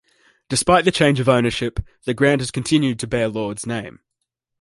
Despite the change of ownership, the ground has continued to bear Lord's name.